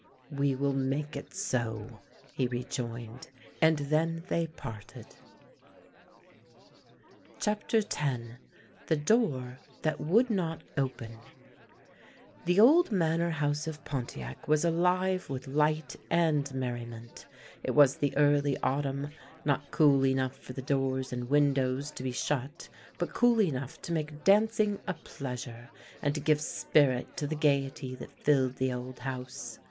" We will make it so," he rejoined, and then they parted. CHAPTER X THE DOOR THAT WOULD NOT OPEN THE old Manor House of Pontiac was alive with light and merriment. It was the early autumn; not cool enough for the doors and windows to be shut, but cool enough to make dancing a pleasure, and to give spirit to the gaiety that filled the old house.